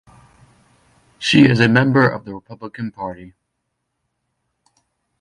She is a member of the Republican Party.